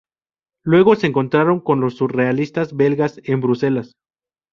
Luego, se encontraron con los surrealistas belgas en Bruselas.